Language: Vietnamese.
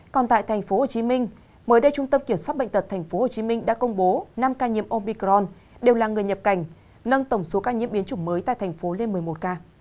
còn tại tp hcm mới đây trung tâm kiểm soát bệnh tật tp hcm đã công bố năm ca nhiễm omicron đều là người nhập cảnh nâng tổng số ca nhiễm biến chủng mới tại thành phố lên một mươi một ca